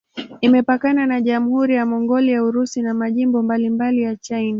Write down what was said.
Imepakana na Jamhuri ya Mongolia, Urusi na majimbo mbalimbali ya China.